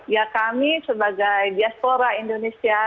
ya kami sebagai diaspora indonesia